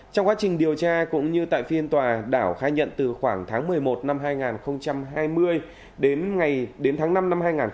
trong quá trình điều tra cũng như tại phiên tòa đảo khai nhận từ khoảng tháng một mươi một năm hai nghìn hai mươi đến ngày đến tháng năm năm hai nghìn hai mươi